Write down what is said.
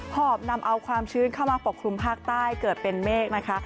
หอบนำเอาความชื้นเข้ามาปกคลุมภาคใต้เกิดเป็นเมฆนะคะ